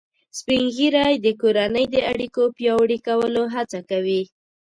سپین ږیری د کورنۍ د اړیکو پیاوړي کولو هڅه کوي